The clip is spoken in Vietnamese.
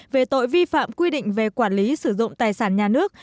về tội vi phạm quy định về quản lý sử dụng tài sản nhà nước